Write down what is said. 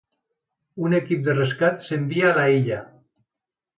Un equip de rescat s'envia a l'illa.